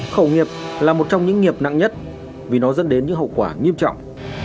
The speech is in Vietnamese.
khẩu nghiệp là một trong những nghiệp nặng nhất vì nó dẫn đến những hậu quả nghiêm trọng